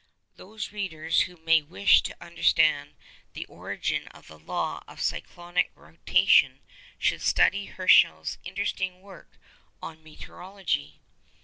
Those readers who may wish to understand the origin of the law of cyclonic rotation should study Herschel's interesting work on Meteorology.